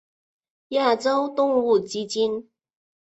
亚洲动物基金。